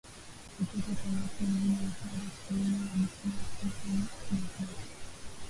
kutoka kwa watu wengine Wa kwanza kuuawa alikuwa Stefano na kati